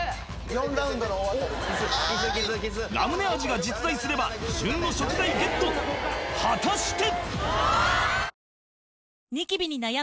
４ラウンドの大当たりラムネ味が実在すれば旬の食材ゲット果たして！？